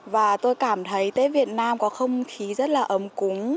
và tôi cảm thấy tết việt nam có không khí rất là ấm cúng